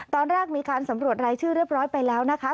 ตอนแรกมีการสำรวจรายชื่อเรียบร้อยไปแล้วนะคะ